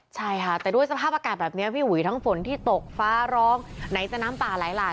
ใช่ค่ะแต่ด้วยสภาพอากาศแบบนี้พี่อุ๋ยทั้งฝนที่ตกฟ้าร้องไหนจะน้ำป่าไหลหลาก